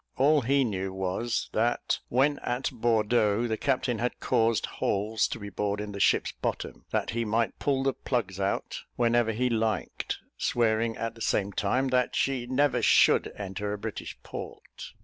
All he knew was, that, when at Bordeaux, the captain had caused holes to be bored in the ship's bottom, that he might pull the plugs out whenever he liked, swearing, at the same time, that she never should enter a British port.